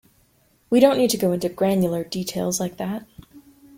We don't need to go into granular details like that.